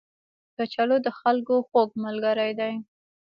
کچالو د خلکو خوږ ملګری دی